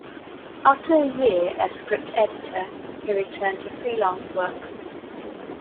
After a year as script editor he returned to freelance work.